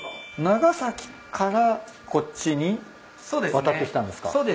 長崎からこっちに渡ってきたんですか？